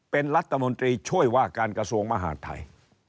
เป็นรัฐมนตรีช่วยว่าการกระทรวงมหาดไทย